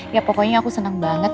ya pokoknya aku senang banget